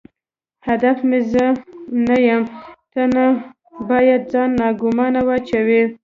هدف مې زه نه یم، ته نه باید ځان ناګومانه واچوې.